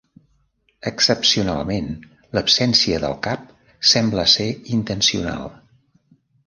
Excepcionalment, l'absència del cap sembla ser intencional.